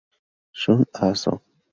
Shun Aso